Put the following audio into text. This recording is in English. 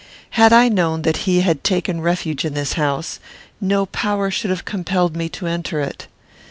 Had I known that he had taken refuge in this house, no power should have compelled me to enter it.